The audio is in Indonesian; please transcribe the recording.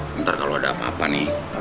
bentar kalau ada apa apa nih